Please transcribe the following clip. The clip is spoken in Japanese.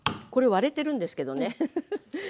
割れてるんですけどね